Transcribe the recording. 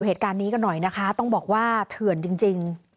เหตุการณ์นี้กันหน่อยนะคะต้องบอกว่าเถื่อนจริง